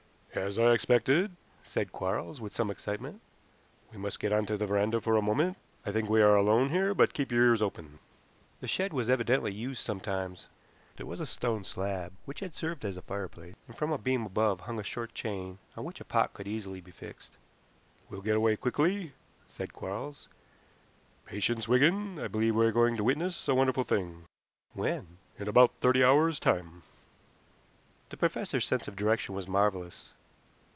"As I expected," said Quarles, with some excitement. "We must get onto the veranda for a moment. I think we are alone here, but keep your ears open." The shed was evidently used sometimes. There was a stone slab which had served as a fireplace, and from a beam above hung a short chain, on which a pot could easily be fixed. "We'll get away quickly," said Quarles. "Patience, Wigan. I believe we are going to witness a wonderful thing." "When?" "In about thirty hours' time." The professor's sense of direction was marvelous.